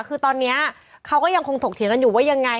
คือตอนนี้เขาก็ยังคงถกเถียงกันอยู่ว่ายังไง